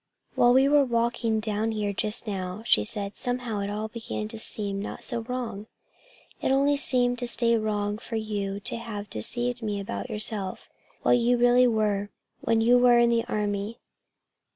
"While we were walking down here just now," said she, "somehow it all began to seem not so wrong. It only seemed to stay wrong for you to have deceived me about yourself what you really were when you were in the Army.